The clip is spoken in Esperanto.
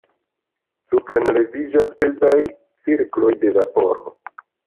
Suprenleviĝas pezaj cirkloj de vaporo.